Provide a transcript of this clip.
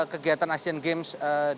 kegiatan asian games